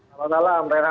selamat malam rehat